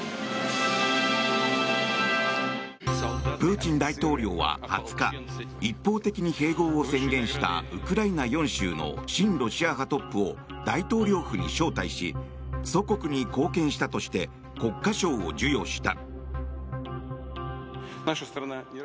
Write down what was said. プーチン大統領は２０日一方的に併合を宣言したウクライナ４州の親ロシア派トップを大統領府に招待し祖国に貢献したとして国家賞を授与した。